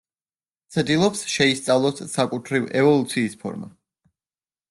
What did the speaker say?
ცდილობს შეისწავლოს საკუთრივ ევოლუციის ფორმა.